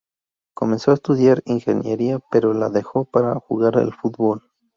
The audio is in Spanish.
Comenzó a estudiar Ingeniería, pero la dejó para jugar al fútbol.